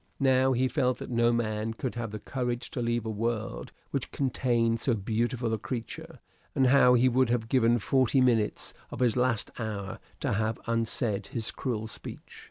Now he felt that no man could have the courage to leave a world which contained so beautiful a creature; and now he would have given forty minutes of his last hour to have unsaid his cruel speech.